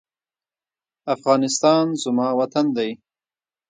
افغانستان زما وطن دی.